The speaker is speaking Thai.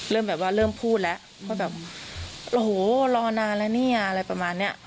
เริ่มแบบว่าเริ่มพูดแล้วว่าแบบโอ้โหรอนานแล้วเนี่ยอะไรประมาณเนี้ย